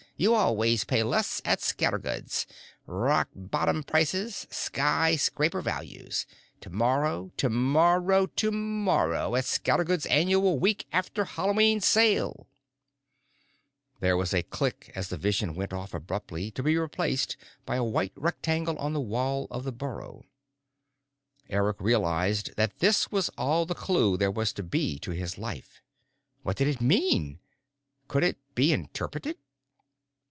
You always pay less at Scattergood's. Rock bottom prices! Skyscraper values! Tomorrow, tomorrow, tomorrow, at Scattergood's annual week after Hallowe'en Sale!" There was a click as the vision went off abruptly to be replaced by a white rectangle on the wall of the burrow. Eric realized that this was all the clue there was to be to his life. What did it mean? Could it be interpreted?